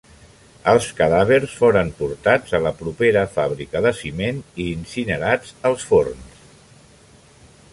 Els cadàvers foren portats a la propera fàbrica de ciment i incinerats als forns.